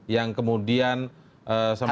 yang kemudian sempat